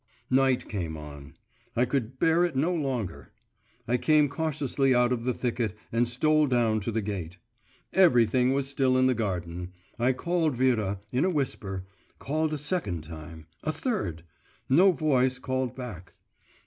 Night came on. I could bear it no longer; I came cautiously out of the thicket and stole down to the gate. Everything was still in the garden. I called Vera, in a whisper, called a second time, a third.… No voice called back.